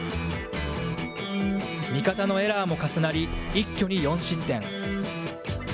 味方のエラーも重なり、一挙に４失点。